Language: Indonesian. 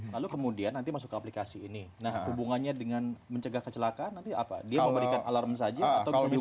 lalu kemudian nanti masuk ke aplikasi ini nah hubungannya dengan mencegah kecelakaan nanti apa dia memberikan alarm saja atau bisa